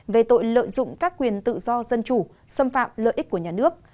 về tội lợi dụng các quyền tự do dân chủ xâm phạm lợi ích của nhà nước